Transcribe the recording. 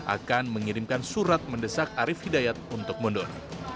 akan mengirimkan surat mendesak arief hidayat untuk mundur